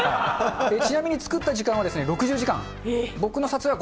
ちなみに作った時間は６０時間。